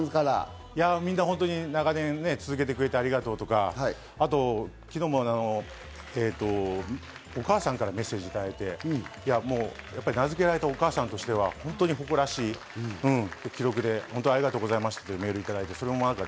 長年続けてくれてありがとうとか、昨日もお母さんからメッセージいただいて、名付けられたお母さんとしてはほんとに誇らしい記録でありがとうございますとメールいただきました。